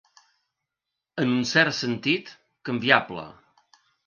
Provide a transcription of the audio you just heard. En un cert sentit, canviable.